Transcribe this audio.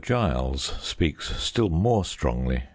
Giles speaks still more strongly.